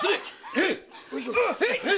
へい！